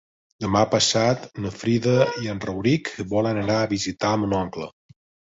Demà passat na Frida i en Rauric volen anar a visitar mon oncle.